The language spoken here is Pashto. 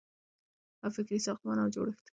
او فکري ساختمان او جوړښت